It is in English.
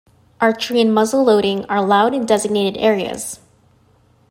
Archery and muzzle loading are allowed in designated areas.